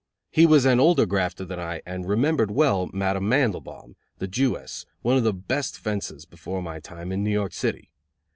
He was an older grafter than I and remembered well Madame Mandelbaum, the Jewess, one of the best fences, before my time, in New York City.